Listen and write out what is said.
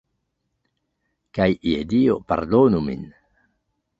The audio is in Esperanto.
Kaj, je dio, pardonu min.